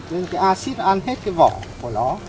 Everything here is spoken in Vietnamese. nên cái axit nó ăn hết cái vỏ của nó